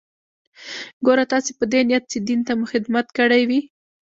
ګوره تاسې په دې نيت چې دين ته مو خدمت کړى وي.